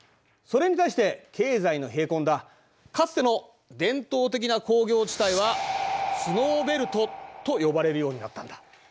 それに対して経済の冷え込んだかつての伝統的な工業地帯はスノーベルトと呼ばれるようになったんだ。